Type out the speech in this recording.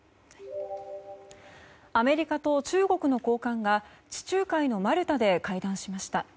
アメリカと中国の高官が地中海のマルタで会談しました。